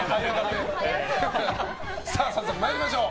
さあ、早速参りましょう。